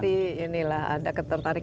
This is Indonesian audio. pasti inilah ada ketertarikan